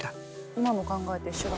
今の考えと一緒だ。